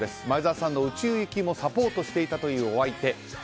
前澤さんの宇宙行きもサポートしていたというお相手。